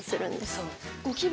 そう。